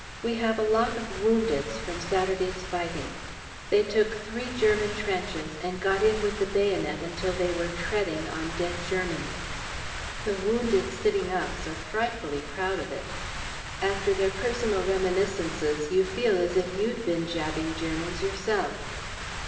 We have a lot of woundeds from Saturday's fighting. They took three German trenches, and got in with the bayonet until they were "treading" on dead Germans! The wounded sitting ups are frightfully proud of it. After their personal reminiscences you feel as if you'd been jabbing Germans yourself.